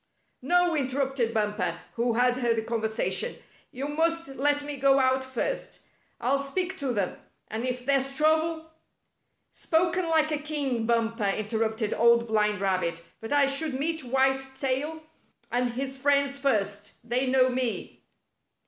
"No," interrupted Bumper, who had heard the conversation. "You must let me go out first. I'll speak to them, and if there's trouble —" "Spoken like a king. Bumper," interrupted Old Blind Rabbit, "but I should meet White Tail and his friends first. They know me."